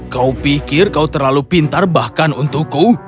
kau pikir kau terlalu pintar bahkan untuk kau